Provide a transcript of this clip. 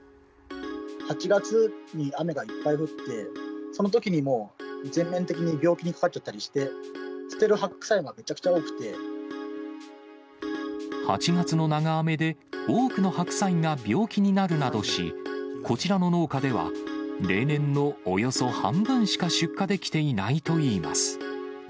８月に雨がいっぱい降って、そのときにもう、全面的に病気にかかっちゃったりして、８月の長雨で、多くの白菜が病気になるなどし、こちらの農家では、例年のおよそ半分しか出荷できていないといいます。